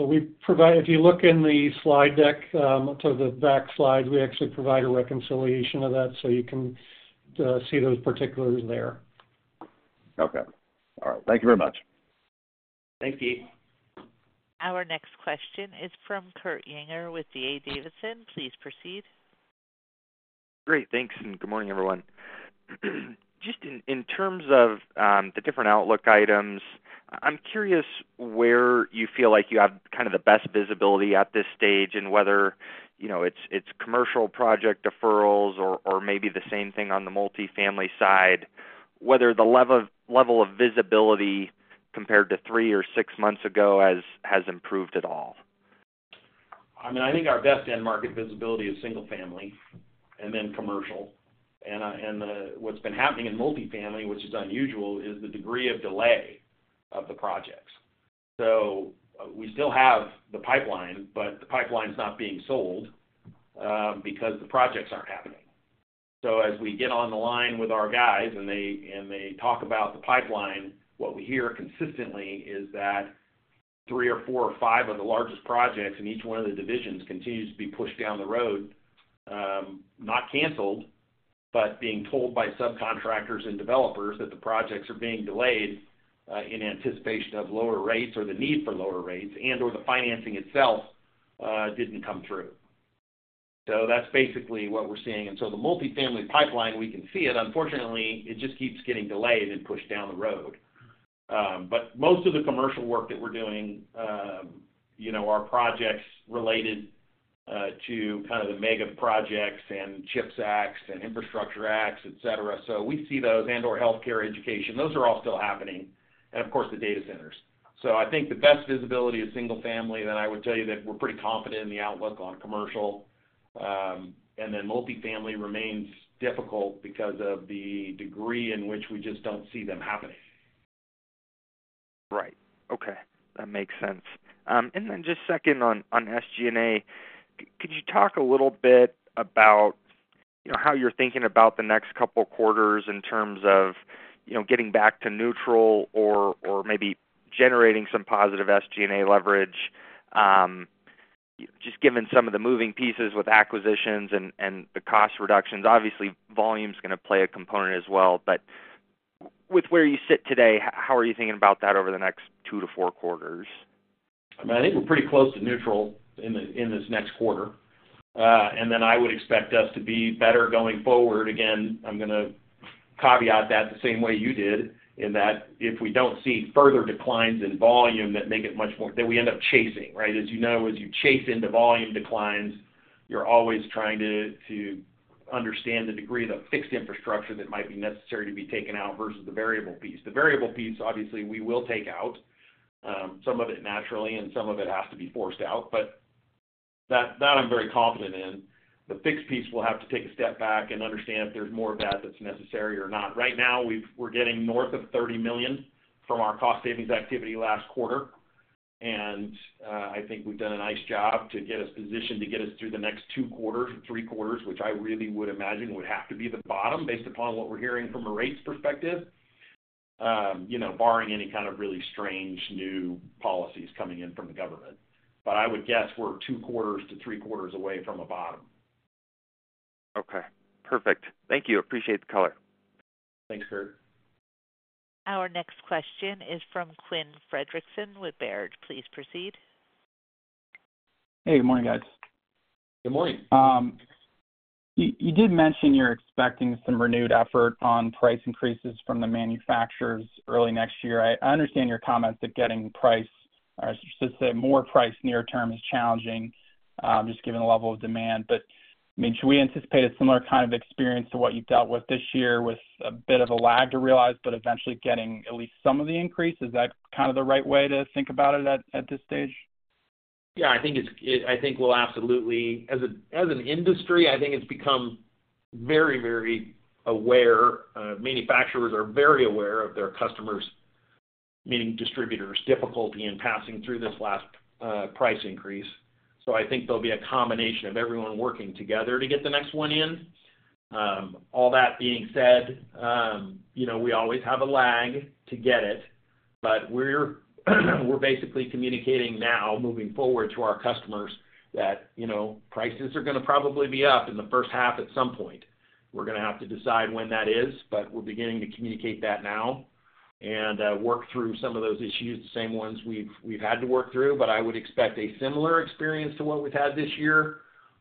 Speaker 4: So if you look in the slide deck, to the back slide, we actually provide a reconciliation of that. So you can see those particulars there.
Speaker 6: Okay. All right. Thank you very much.
Speaker 3: Thank you.
Speaker 1: Our next question is from Kurt Yinger with D.A. Davidson. Please proceed.
Speaker 7: Great. Thanks. And good morning, everyone. Just in terms of the different outlook items, I'm curious where you feel like you have kind of the best visibility at this stage and whether it's commercial project deferrals or maybe the same thing on the multifamily side, whether the level of visibility compared to three or six months ago has improved at all.
Speaker 3: I mean, I think our best end market visibility is single-family and then commercial. And what's been happening in multifamily, which is unusual, is the degree of delay of the projects. So we still have the pipeline, but the pipeline's not being sold because the projects aren't happening. So as we get on the line with our guys and they talk about the pipeline, what we hear consistently is that three or four or five of the largest projects in each one of the divisions continues to be pushed down the road, not canceled, but being told by subcontractors and developers that the projects are being delayed in anticipation of lower rates or the need for lower rates and/or the financing itself didn't come through. So that's basically what we're seeing. And so the multifamily pipeline, we can see it. Unfortunately, it just keeps getting delayed and pushed down the road. But most of the commercial work that we're doing, our projects related to kind of the mega projects and CHIPS acts and infrastructure acts, etc. So we see those and/or healthcare, education. Those are all still happening. And of course, the data centers. So I think the best visibility is single-family. Then I would tell you that we're pretty confident in the outlook on commercial. And then multifamily remains difficult because of the degree in which we just don't see them happening.
Speaker 7: Right. Okay. That makes sense. And then just second on SG&A, could you talk a little bit about how you're thinking about the next couple of quarters in terms of getting back to neutral or maybe generating some positive SG&A leverage, just given some of the moving pieces with acquisitions and the cost reductions? Obviously, volume is going to play a component as well. But with where you sit today, how are you thinking about that over the next two to four quarters?
Speaker 3: I mean, I think we're pretty close to neutral in this next quarter. And then I would expect us to be better going forward. Again, I'm going to caveat that the same way you did in that if we don't see further declines in volume that make it much more that we end up chasing, right? As you know, as you chase into volume declines, you're always trying to understand the degree of the fixed infrastructure that might be necessary to be taken out versus the variable piece. The variable piece, obviously, we will take out some of it naturally, and some of it has to be forced out. But that I'm very confident in. The fixed piece will have to take a step back and understand if there's more of that that's necessary or not. Right now, we're getting north of $30 million from our cost savings activity last quarter. And I think we've done a nice job to get us positioned to get us through the next two quarters or three quarters, which I really would imagine would have to be the bottom based upon what we're hearing from a rates perspective, barring any kind of really strange new policies coming in from the government. But I would guess we're two quarters to three quarters away from a bottom.
Speaker 7: Okay. Perfect. Thank you. Appreciate the color.
Speaker 3: Thanks, Kurt.
Speaker 1: Our next question is from Quinn Fredrickson with Baird. Please proceed.
Speaker 8: Hey. Good morning, guys.
Speaker 3: Good morning.
Speaker 8: You did mention you're expecting some renewed effort on price increases from the manufacturers early next year. I understand your comments that getting price or to say more price near term is challenging just given the level of demand. But I mean, should we anticipate a similar kind of experience to what you've dealt with this year with a bit of a lag to realize, but eventually getting at least some of the increase? Is that kind of the right way to think about it at this stage?
Speaker 3: Yeah. I think we'll absolutely as an industry. I think it's become very, very aware. Manufacturers are very aware of their customers, meaning distributors' difficulty in passing through this last price increase. So I think there'll be a combination of everyone working together to get the next one in. All that being said, we always have a lag to get it. But we're basically communicating now, moving forward to our customers, that prices are going to probably be up in the first half at some point. We're going to have to decide when that is, but we're beginning to communicate that now and work through some of those issues, the same ones we've had to work through. But I would expect a similar experience to what we've had this year,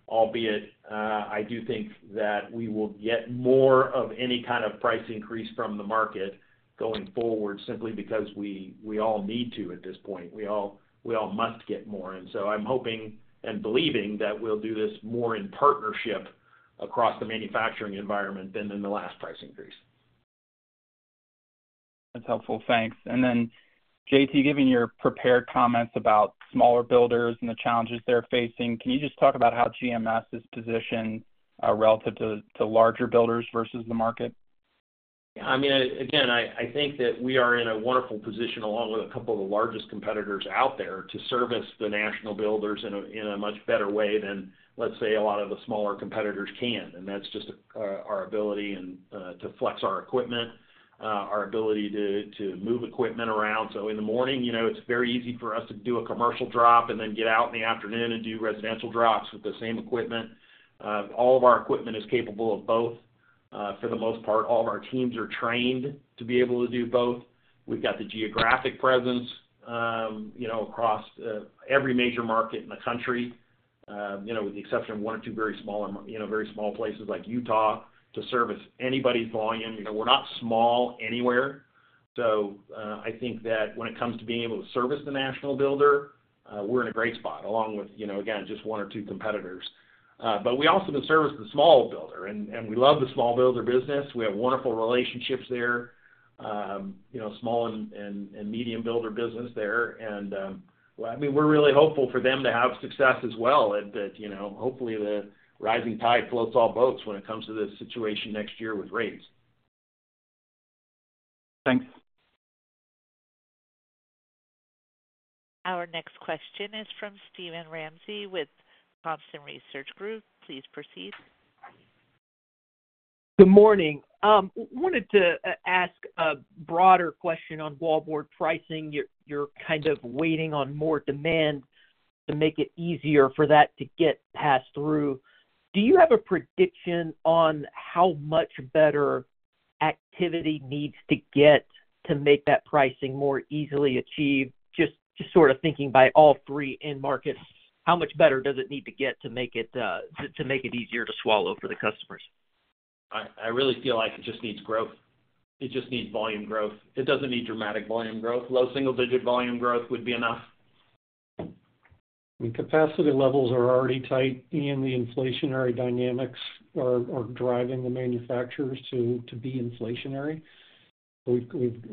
Speaker 3: albeit I do think that we will get more of any kind of price increase from the market going forward simply because we all need to at this point. We all must get more. And so I'm hoping and believing that we'll do this more in partnership across the manufacturing environment than in the last price increase.
Speaker 8: That's helpful. Thanks. And then, JT, given your prepared comments about smaller builders and the challenges they're facing, can you just talk about how GMS is positioned relative to larger builders versus the market?
Speaker 3: Yeah. I mean, again, I think that we are in a wonderful position along with a couple of the largest competitors out there to service the national builders in a much better way than, let's say, a lot of the smaller competitors can. And that's just our ability to flex our equipment, our ability to move equipment around. So in the morning, it's very easy for us to do a commercial drop and then get out in the afternoon and do residential drops with the same equipment. All of our equipment is capable of both. For the most part, all of our teams are trained to be able to do both. We've got the geographic presence across every major market in the country with the exception of one or two very small places like Utah to service anybody's volume. We're not small anywhere. So I think that when it comes to being able to service the national builder, we're in a great spot along with, again, just one or two competitors. But we also can service the small builder. And we love the small builder business. We have wonderful relationships there, small and medium builder business there. And I mean, we're really hopeful for them to have success as well. Hopefully, the rising tide floats all boats when it comes to this situation next year with rates.
Speaker 8: Thanks.
Speaker 1: Our next question is from Steven Ramsey with Thompson Research Group. Please proceed.
Speaker 9: Good morning. Wanted to ask a broader question on wallboard pricing. You're kind of waiting on more demand to make it easier for that to get passed through. Do you have a prediction on how much better activity needs to get to make that pricing more easily achieved? Just sort of thinking by all three end markets, how much better does it need to get to make it easier to swallow for the customers?
Speaker 3: I really feel like it just needs growth. It just needs volume growth. It doesn't need dramatic volume growth. Low single-digit volume growth would be enough.
Speaker 4: And capacity levels are already tight, and the inflationary dynamics are driving the manufacturers to be inflationary. We've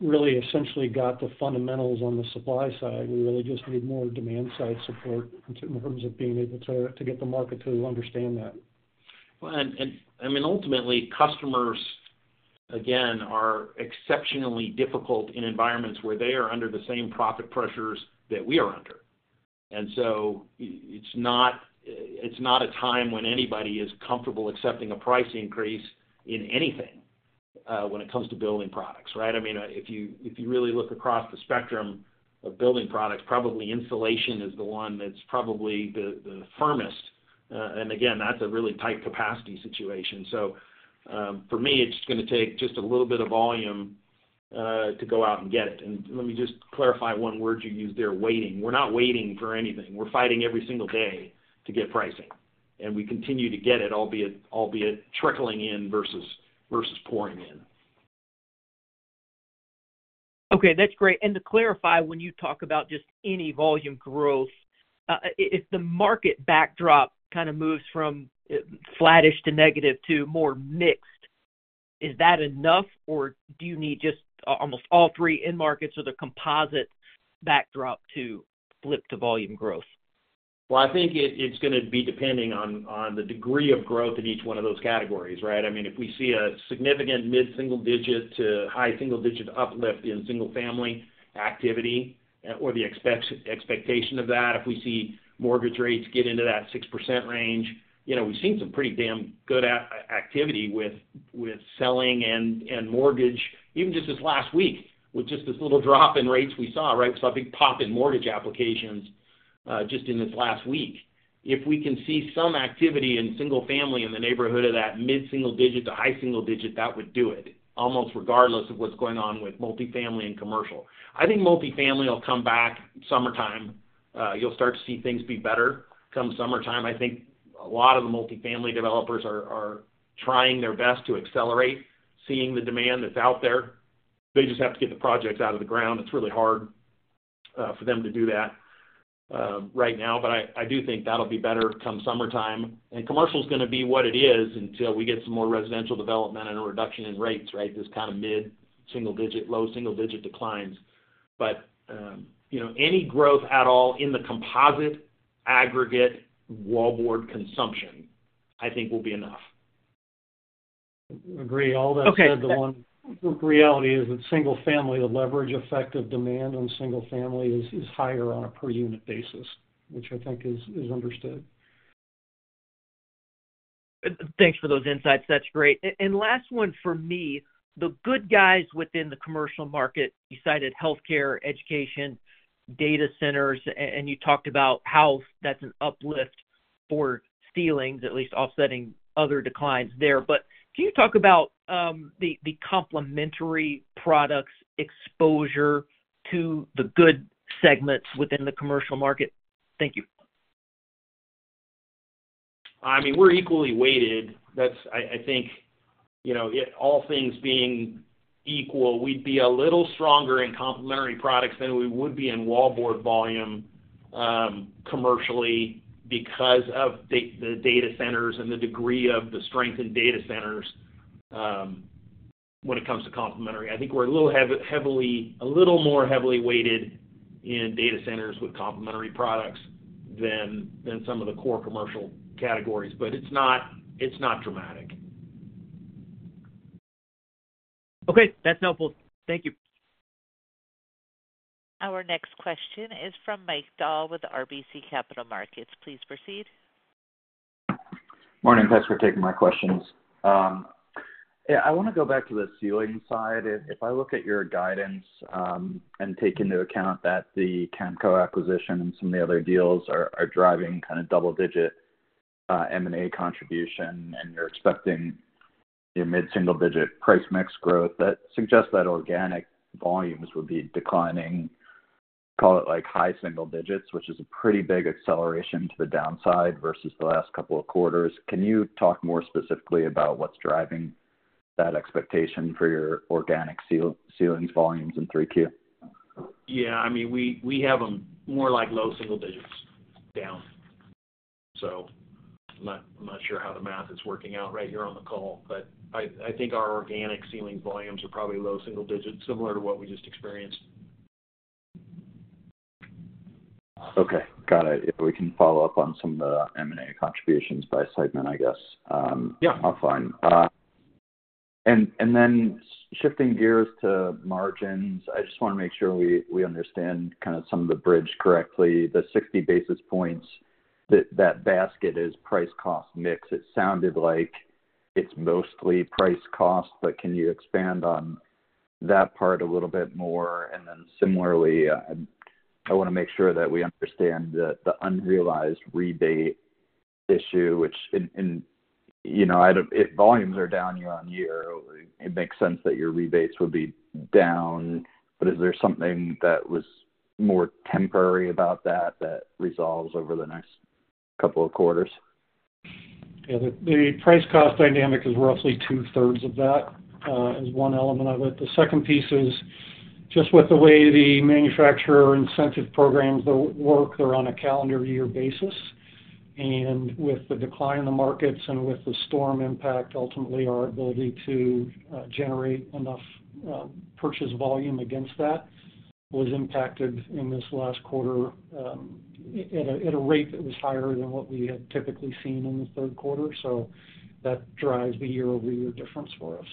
Speaker 4: really essentially got the fundamentals on the supply side. We really just need more demand-side support in terms of being able to get the market to understand that.
Speaker 3: Well, and I mean, ultimately, customers, again, are exceptionally difficult in environments where they are under the same profit pressures that we are under. And so it's not a time when anybody is comfortable accepting a price increase in anything when it comes to building products, right? I mean, if you really look across the spectrum of building products, probably insulation is the one that's probably the firmest. And again, that's a really tight capacity situation. So for me, it's going to take just a little bit of volume to go out and get it. And let me just clarify one word you used there, waiting. We're not waiting for anything. We're fighting every single day to get pricing. And we continue to get it, albeit trickling in versus pouring in.
Speaker 9: Okay. That's great. And to clarify, when you talk about just any volume growth, if the market backdrop kind of moves from flattish to negative to more mixed, is that enough, or do you need just almost all three end markets or the composite backdrop to flip to volume growth?
Speaker 3: I think it's going to be depending on the degree of growth in each one of those categories, right? I mean, if we see a significant mid-single-digit to high single-digit uplift in single-family activity or the expectation of that, if we see mortgage rates get into that 6% range, we've seen some pretty damn good activity with single-family and multifamily, even just this last week with just this little drop in rates we saw, right? So I think pop in mortgage applications just in this last week. If we can see some activity in single-family in the neighborhood of that mid-single-digit to high single-digit, that would do it almost regardless of what's going on with multifamily and commercial. I think multifamily will come back summertime. You'll start to see things be better come summertime. I think a lot of the multifamily developers are trying their best to accelerate, seeing the demand that's out there. They just have to get the projects out of the ground. It's really hard for them to do that right now, but I do think that'll be better come summertime, and commercial is going to be what it is until we get some more residential development and a reduction in rates, right? This kind of mid-single-digit, low single-digit declines, but any growth at all in the composite aggregate wallboard consumption, I think, will be enough.
Speaker 4: Agree. All that said, the one reality is that single-family, the leverage effect of demand on single-family is higher on a per-unit basis, which I think is understood.
Speaker 9: Thanks for those insights. That's great. And last one for me, the good guys within the commercial market. You cited healthcare, education, data centers, and you talked about how that's an uplift for ceilings, at least offsetting other declines there. But can you talk about the complementary products exposure to the good segments within the commercial market? Thank you.
Speaker 3: I mean, we're equally weighted. I think all things being equal, we'd be a little stronger in complementary products than we would be in wallboard volume commercially because of the data centers and the degree of the strength in data centers when it comes to complementary. I think we're a little more heavily weighted in data centers with complementary products than some of the core commercial categories. But it's not dramatic.
Speaker 9: Okay. That's helpful. Thank you.
Speaker 1: Our next question is from Mike Dahl with RBC Capital Markets. Please proceed.
Speaker 10: Morning. Thanks for taking my questions. Yeah. I want to go back to the ceiling side. If I look at your guidance and take into account that the Kamco acquisition and some of the other deals are driving kind of double-digit M&A contribution and you're expecting your mid-single-digit price mix growth, that suggests that organic volumes would be declining. Call it high single digits, which is a pretty big acceleration to the downside versus the last couple of quarters. Can you talk more specifically about what's driving that expectation for your organic ceilings volumes in 3Q?
Speaker 3: Yeah. I mean, we have them more like low single digits down. So I'm not sure how the math is working out right here on the call. But I think our organic ceiling volumes are probably low single digits, similar to what we just experienced.
Speaker 10: Okay. Got it. If we can follow up on some of the M&A contributions by segment, I guess, I'll find. Then shifting gears to margins, I just want to make sure we understand kind of some of the bridge correctly. The 60 basis points, that basket is price-cost mix. It sounded like it's mostly price-cost, but can you expand on that part a little bit more? Then similarly, I want to make sure that we understand the unrealized rebate issue, which if volumes are down year on year, it makes sense that your rebates would be down. But is there something that was more temporary about that that resolves over the next couple of quarters?
Speaker 4: Yeah. The price-cost dynamic is roughly two-thirds of that is one element of it. The second piece is just with the way the manufacturer incentive programs work, they're on a calendar year basis. And with the decline in the markets and with the storm impact, ultimately, our ability to generate enough purchase volume against that was impacted in this last quarter at a rate that was higher than what we had typically seen in the Q3. So that drives the year-over-year difference for us.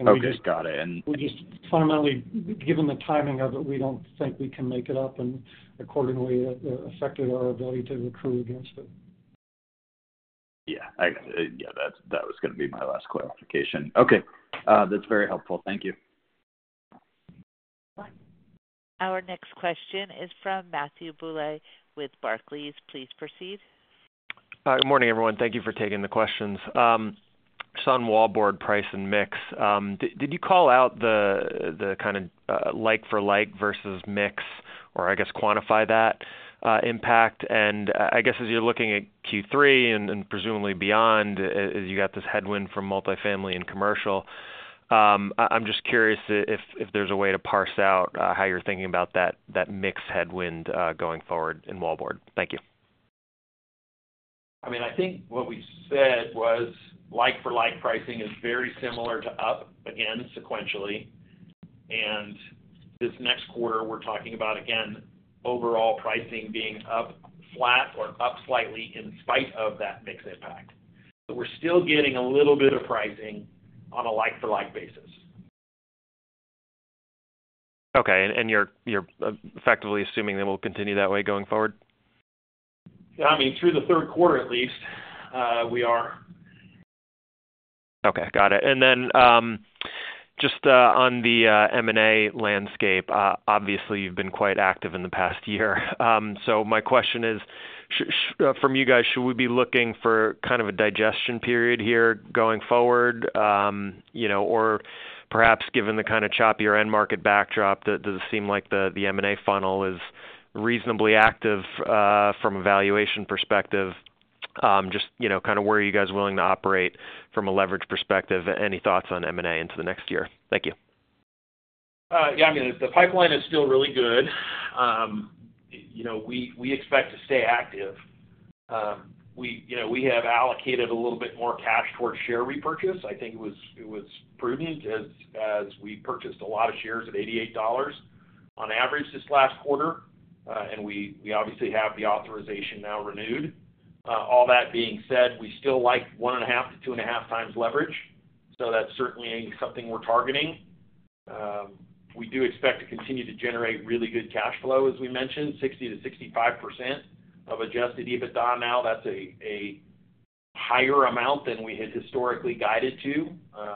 Speaker 10: And we just got it.
Speaker 4: And we just fundamentally, given the timing of it, we don't think we can make it up. And accordingly, it affected our ability to accrue against it.
Speaker 10: Yeah. Yeah. That was going to be my last clarification. Okay. That's very helpful. Thank you.
Speaker 1: Our next question is from Matthew Bouley with Barclays. Please proceed.
Speaker 11: Hi. Good morning, everyone. Thank you for taking the questions. On wallboard price and mix. Did you call out the kind of like-for-like versus mix or, I guess, quantify that impact? I guess as you're looking at Q3 and presumably beyond, you got this headwind from multifamily and commercial. I'm just curious if there's a way to parse out how you're thinking about that mixed headwind going forward in wallboard. Thank you.
Speaker 3: I mean, I think what we said was like-for-like pricing is very similar to up again sequentially. And this next quarter, we're talking about, again, overall pricing being up flat or up slightly in spite of that mixed impact. But we're still getting a little bit of pricing on a like-for-like basis.
Speaker 11: Okay. And you're effectively assuming that we'll continue that way going forward?
Speaker 3: Yeah. I mean, through the Q3 at least, we are.
Speaker 11: Okay. Got it. And then just on the M&A landscape, obviously, you've been quite active in the past year. So my question is, from you guys, should we be looking for kind of a digestion period here going forward? Or perhaps given the kind of choppier end market backdrop, does it seem like the M&A funnel is reasonably active from a valuation perspective? Just kind of where are you guys willing to operate from a leverage perspective? Any thoughts on M&A into the next year? Thank you.
Speaker 3: Yeah. I mean, the pipeline is still really good. We expect to stay active. We have allocated a little bit more cash towards share repurchase. I think it was prudent as we purchased a lot of shares at $88 on average this last quarter. And we obviously have the authorization now renewed. All that being said, we still like one and a half to two and a half times leverage. So that's certainly something we're targeting. We do expect to continue to generate really good cash flow, as we mentioned, 60%-65% of Adjusted EBITDA now. That's a higher amount than we had historically guided to.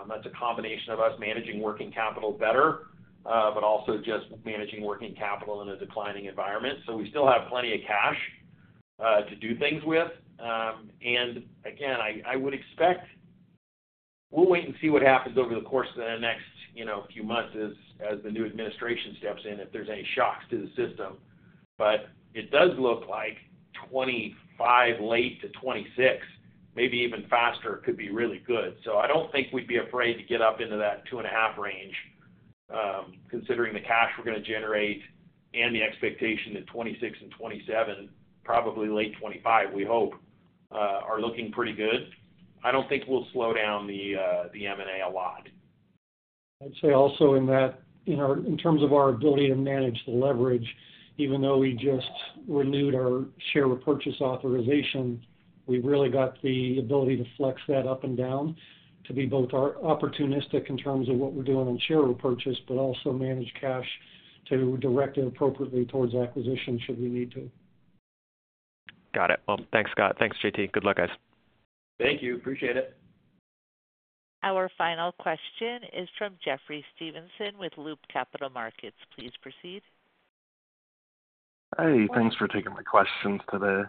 Speaker 3: That's a combination of us managing working capital better, but also just managing working capital in a declining environment. So we still have plenty of cash to do things with. And again, I would expect we'll wait and see what happens over the course of the next few months as the new administration steps in, if there's any shocks to the system. But it does look like late 2025 to 2026, maybe even faster, could be really good. So I don't think we'd be afraid to get up into that two and a half range, considering the cash we're going to generate and the expectation that 2026 and 2027, probably late 2025, we hope, are looking pretty good. I don't think we'll slow down the M&A a lot.
Speaker 4: I'd say also in that, in terms of our ability to manage the leverage, even though we just renewed our share repurchase authorization, we've really got the ability to flex that up and down, to be both opportunistic in terms of what we're doing on share repurchase, but also manage cash to direct it appropriately towards acquisition should we need to.
Speaker 11: Got it. Well, thanks, Scott. Thanks, JT. Good luck, guys.
Speaker 3: Thank you. Appreciate it.
Speaker 1: Our final question is from Jeffrey Stevenson with Loop Capital Markets. Please proceed.
Speaker 12: Hey. Thanks for taking my questions today.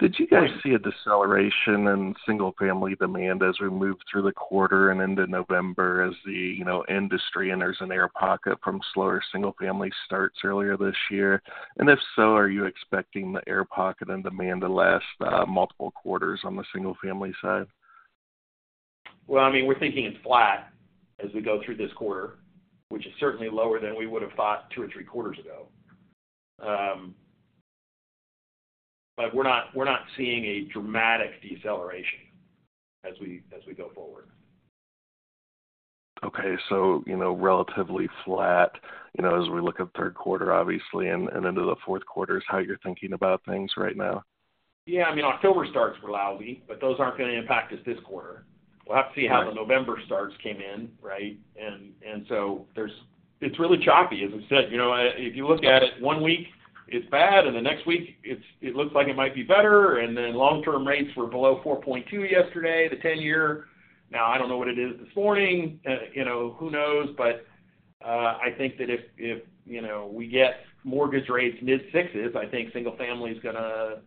Speaker 12: Did you guys see a deceleration in single-family demand as we move through the quarter and into November as the industry enters an air pocket from slower single-family starts earlier this year? And if so, are you expecting the air pocket in demand to last multiple quarters on the single-family side?
Speaker 3: Well, I mean, we're thinking it's flat as we go through this quarter, which is certainly lower than we would have thought two or three quarters ago. But we're not seeing a dramatic deceleration as we go forward.
Speaker 12: Okay. So relatively flat as we look at Q3, obviously, and into the Q4 is how you're thinking about things right now?
Speaker 3: Yeah. I mean, October starts were lousy, but those aren't going to impact us this quarter. We'll have to see how the November starts came in, right? And so it's really choppy, as I said. If you look at it one week, it's bad. And the next week, it looks like it might be better. And then long-term rates were below 4.2 yesterday, the 10-year. Now, I don't know what it is this morning. Who knows? But I think that if we get mortgage rates mid-sixes, I think single-family is going to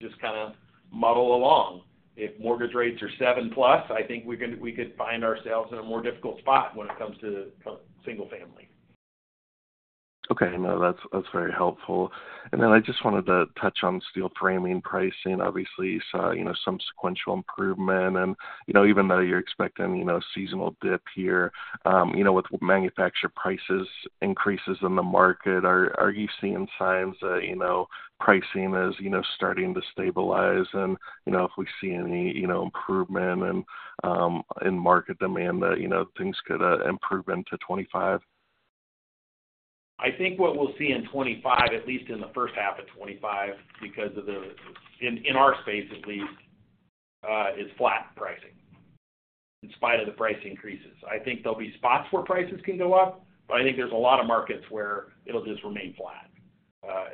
Speaker 3: just kind of muddle along. If mortgage rates are seven-plus, I think we could find ourselves in a more difficult spot when it comes to single-family.
Speaker 12: Okay. No, that's very helpful. And then I just wanted to touch on steel framing pricing. Obviously, you saw some sequential improvement. And even though you're expecting a seasonal dip here with manufacturer price increases in the market, are you seeing signs that pricing is starting to stabilize? And if we see any improvement in market demand, that things could improve into 2025?
Speaker 3: I think what we'll see in 2025, at least in the first half of 2025, because in our space, at least, is flat pricing in spite of the price increases. I think there'll be spots where prices can go up, but I think there's a lot of markets where it'll just remain flat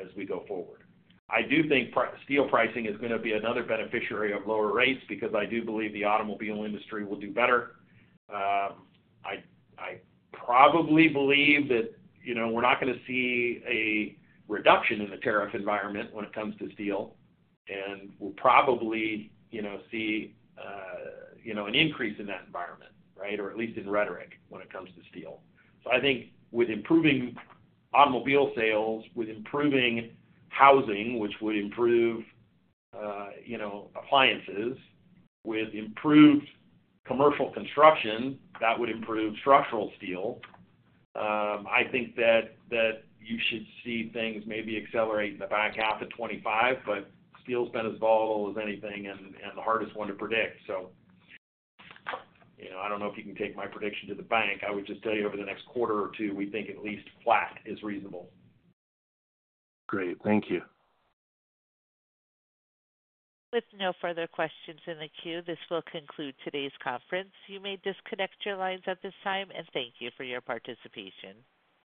Speaker 3: as we go forward. I do think steel pricing is going to be another beneficiary of lower rates because I do believe the automobile industry will do better. I probably believe that we're not going to see a reduction in the tariff environment when it comes to steel, and we'll probably see an increase in that environment, right, or at least in rhetoric when it comes to steel, so I think with improving automobile sales, with improving housing, which would improve appliances, with improved commercial construction, that would improve structural steel. I think that you should see things maybe accelerate in the back half of 2025, but steel's been as volatile as anything and the hardest one to predict. So I don't know if you can take my prediction to the bank. I would just tell you over the next quarter or two, we think at least flat is reasonable.
Speaker 12: Great. Thank you.
Speaker 1: With no further questions in the queue, this will conclude today's conference. You may disconnect your lines at this time. And thank you for your participation.